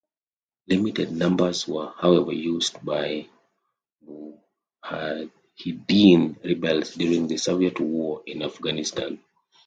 Limited numbers were, however, used by Mujahideen rebels during the Soviet War in Afghanistan.